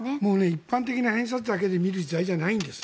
一般的な偏差値だけで見る時代じゃないんです。